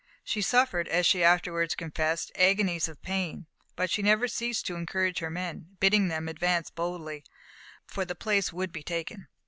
She suffered, as she afterwards confessed, agonies of pain, but she never ceased to encourage her men, bidding them advance boldly, for the place would be taken.